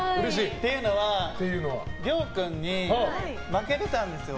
っていうのは亮君に負けてたんですよ。